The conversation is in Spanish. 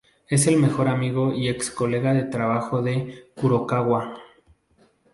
Es el mejor amigo y ex-colega de trabajo de Kurokawa.